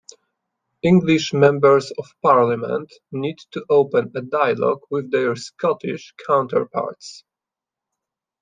English Members of Parliament need to open a dialogue with their Scottish counterparts.